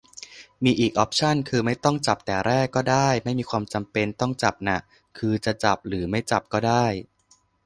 มีอีกออปชัน คือไม่ต้องจับแต่แรกก็ได้ ไม่มีความจำเป็นต้องจับน่ะ คือจะจับหรือไม่จับก็ได้